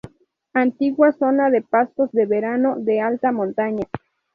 Antigua zona de pastos de verano de alta montaña.